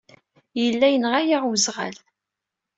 Yella yenɣa-aɣ weẓɣal.